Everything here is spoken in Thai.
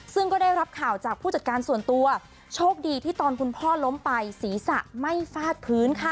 ซึ่งก็ได้รับข่าวจากผู้จัดการส่วนตัวโชคดีที่ตอนคุณพ่อล้มไปศีรษะไม่ฟาดพื้นค่ะ